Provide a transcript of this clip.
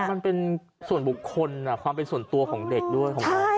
มันเป็นส่วนบุคคลความเป็นส่วนตัวของเด็กด้วยของเขา